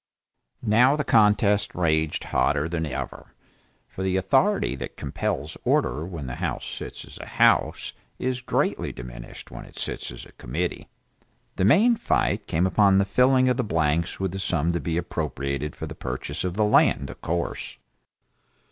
Now the contest raged hotter than ever for the authority that compels order when the House sits as a House, is greatly diminished when it sits as Committee. The main fight came upon the filling of the blanks with the sum to be appropriated for the purchase of the land, of course.